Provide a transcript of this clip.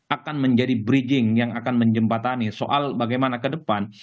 akan menjadi bridging yang akan menjembatani soal bagaimana ke depan